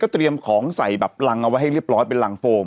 เตรียมของใส่แบบรังเอาไว้ให้เรียบร้อยเป็นรังโฟม